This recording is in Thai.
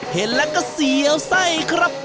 เห็นแล้วก็เสียวไส้ครับ